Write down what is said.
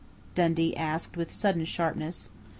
Dundee asked with sudden sharpness.